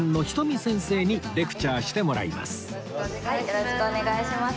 よろしくお願いします。